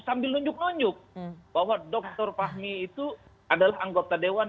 sambil nunjuk nunjuk bahwa dr fahmi itu adalah anggota dewan